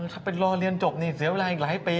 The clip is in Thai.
ถ้าเป็นรอเรียนจบนี่เสียเวลาอีกหลายปี